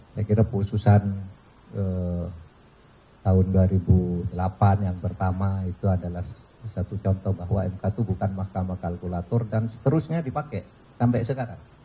saya kira khususan tahun dua ribu delapan yang pertama itu adalah satu contoh bahwa mk itu bukan mahkamah kalkulator dan seterusnya dipakai sampai sekarang